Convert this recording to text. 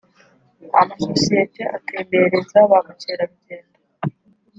amasosiyete atembereza ba mukerarugendo